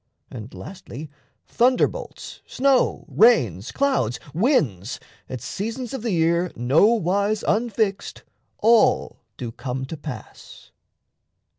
And lastly, thunder bolts, Snow, rains, clouds, winds, at seasons of the year Nowise unfixed, all do come to pass.